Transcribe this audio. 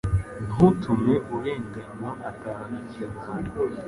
Ntutume urenganywa atahana ikimwaro